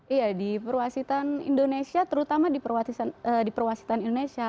iya di perwasitan indonesia terutama di perwasitan indonesia